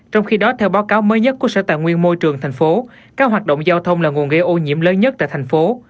trong khi đó theo báo cáo mới nhất của sở tài nguyên môi trường thành phố các hoạt động giao thông là nguồn gây ô nhiễm lớn nhất tại thành phố